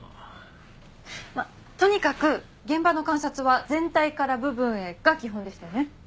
とにかく現場の観察は全体から部分へが基本でしたよね。